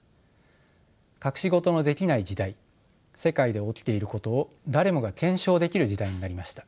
隠し事のできない時代世界で起きていることを誰もが検証できる時代になりました。